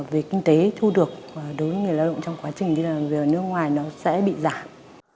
về kinh tế thu được đối với người lao động trong quá trình đi làm việc ở nước ngoài nó sẽ bị giảm